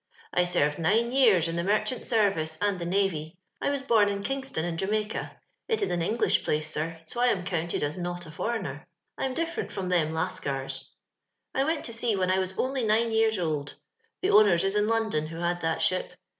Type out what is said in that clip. I served nine yens m the mer chant service and the navy. I waa ben fa Kingston, in Jamaicar it fa an KiaKsh pbes, sir, so I am counted as not a jhwlgner. rm dii&rent from them Laaean. Iwaot to sea when I was only nine years cM. The owners is in London who had that ship.